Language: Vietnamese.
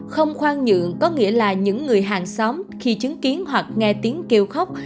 không khoan nhượng có nghĩa là những người hàng xóm khi chứng kiến hoặc nghe tiếng kêu khóc